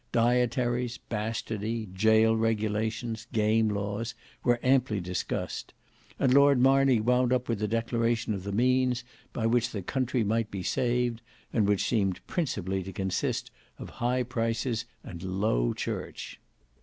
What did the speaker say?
Dietaries, bastardy, gaol regulations, game laws, were amply discussed; and Lord Marney wound up with a declaration of the means by which the country might be saved, and which seemed principally to consist of high prices and low church.